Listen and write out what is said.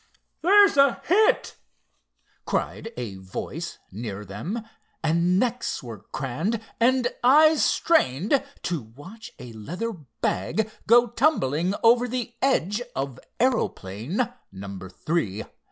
"There's a hit!" cried a voice near them, and necks were craned and eyes strained to watch a leather bag go tumbling over the edge of aeroplane number three.